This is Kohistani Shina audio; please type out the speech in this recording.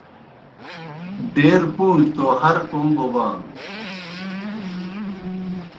ڈیر پُوݨی توْ ہر کوْم بوبانوْ۔